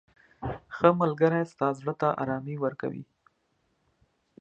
• ښه ملګری ستا زړه ته ارامي ورکوي.